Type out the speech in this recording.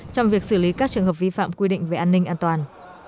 trong việc xử lý các trường hợp vi phạm quy định về an ninh an toàn